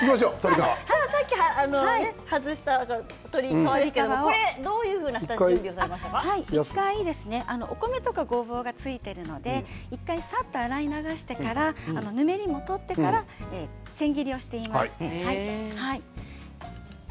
さっき外した鶏皮ですけれど、どういうふうにお米とかごぼうがついているので１回さっと洗い流してからぬめりを取ってから千切りにしています。